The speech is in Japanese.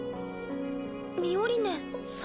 ミオリネさん。